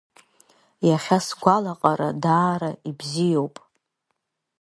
Иахьа сгәалаҟара даара ибзиоуп.